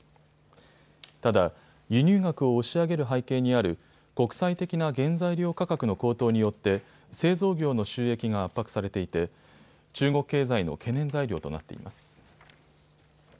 ただ、輸入額を押し上げる背景にある国際的な原材料価格の高騰によって製造業の収益が圧迫されていて中国経済の懸念材料となっています。